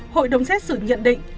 hội đồng xét xử nhận định